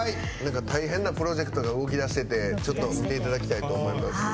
大変なプロジェクトが動きだしてて見ていただきたいと思います。